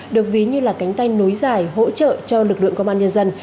được ví như là cánh tay nối dài hỗ trợ cho lực lượng công an nhân dân